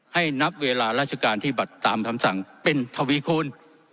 นับเวลาราชการที่บัตรตามคำสั่งเป็นทวีคูณ